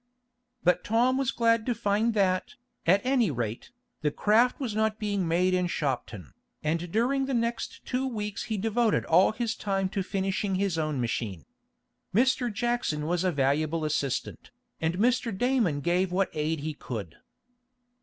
But Tom was glad to find that, at any rate, the craft was not being made in Shopton, and during the next two weeks he devoted all his time to finishing his own machine. Mr. Jackson was a valuable assistant, and Mr. Damon gave what aid he could.